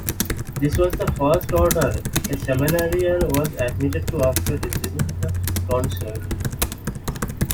This was the first order a seminarian was admitted to after receiving the tonsure.